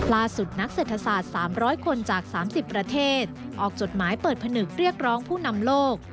นักเศรษฐศาสตร์๓๐๐คนจาก๓๐ประเทศออกจดหมายเปิดผนึกเรียกร้องผู้นำโลก